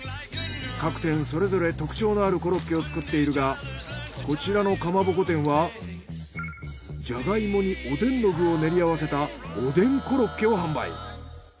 各店それぞれ特徴のあるコロッケを作っているがこちらのかまぼこ店はジャガイモにおでんの具を練り合わせたおでんコロッケを販売。